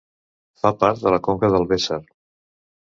Fa part de la conca del Weser.